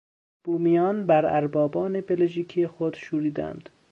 بومیان بر اربابان بلژیکی خود شوریدند.